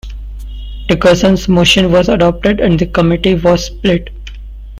Dickerson's motion was adopted and the committee was split.